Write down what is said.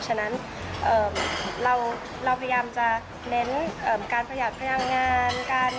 ฉะนั้นเราพยายามจะเน้นการประหยัดพลังงาน